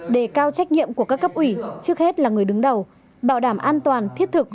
đề cao trách nhiệm của các cấp ủy trước hết là người đứng đầu bảo đảm an toàn thiết thực